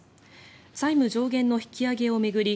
債務上限の引き上げを巡り